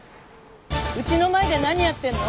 うちの前で何やってるの？